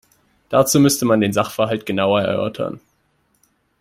Dazu müsste man den Sachverhalt genauer erörtern.